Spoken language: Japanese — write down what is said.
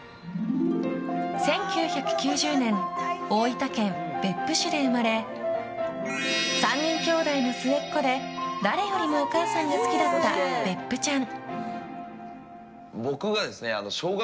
１９９０年大分県別府市で生まれ３人兄弟の末っ子で誰よりもお母さんが好きだった別府ちゃん。